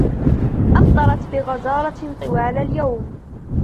أمطرت بغزارة طوال اليوم